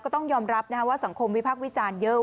ต้องยอมรับว่าสังคมวิพักษ์วิจารณ์เยอะ